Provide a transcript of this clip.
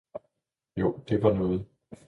jo, det var noget!